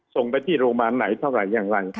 ส่งไปที่โรงพยาบาลไหนเท่าไหร่อย่างไร